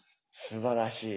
すばらしい。